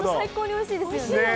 最高においしいですよね。